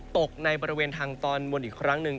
ตกในบริเวณทางตอนบนอีกครั้งหนึ่ง